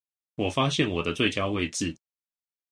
我發現我的最佳位置